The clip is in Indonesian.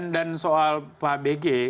dan soal pak bg